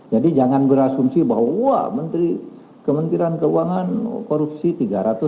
jadi jangan berasumsi bahwa kementerian keuangan korupsi tiga ratus empat puluh sembilan t